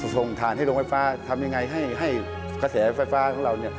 ส่งฐานให้โรงไฟฟ้าทำยังไงให้กระแสไฟฟ้าของเรา